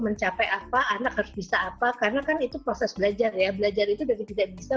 mencapai apa anak harus bisa apa karena kan itu proses belajar ya belajar itu dari tidak bisa